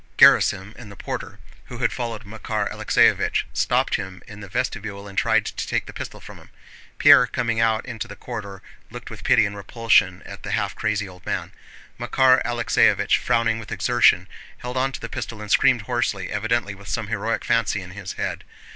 Gerásim and the porter, who had followed Makár Alexéevich, stopped him in the vestibule and tried to take the pistol from him. Pierre, coming out into the corridor, looked with pity and repulsion at the half crazy old man. Makár Alexéevich, frowning with exertion, held on to the pistol and screamed hoarsely, evidently with some heroic fancy in his head.